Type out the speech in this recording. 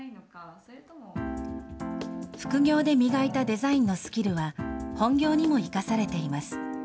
副業で磨いたデザインのスキルは、本業にも生かされています。